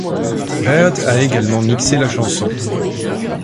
Beard a également mixé la chanson.